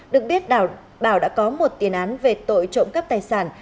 được biết bảo đã có một tiền án về tội trộm cắp tài sản